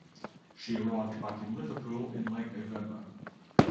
She arrived back in Liverpool in late November.